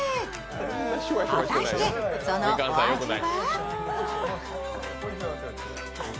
果たして、そのお味は？